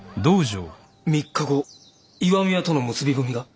「三日後石見屋」との結び文が？